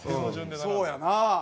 そうやな。